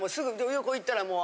横行ったらもう。